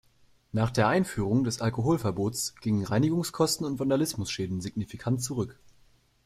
Nach der Einführung des Alkoholverbots gingen Reinigungskosten und Vandalismusschäden signifikant zurück.